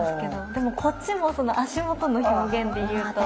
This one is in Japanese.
でもこっちも足元の表現でいうと。